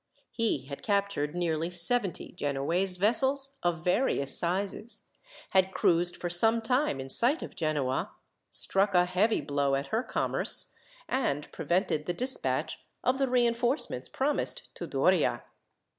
He had captured nearly seventy Genoese vessels, of various sizes, had cruised for some time in sight of Genoa, struck a heavy blow at her commerce, and prevented the despatch of the reinforcements promised to Doria.